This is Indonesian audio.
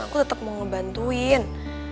aku tetep mau ngebantuin